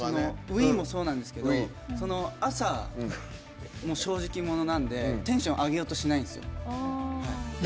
「うい」もそうなんですけど朝も正直者なんでテンション上げようとしないんですよ。